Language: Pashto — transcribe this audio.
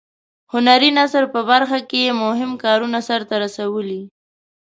هنري نثر په برخه کې یې مهم کارونه سرته رسولي.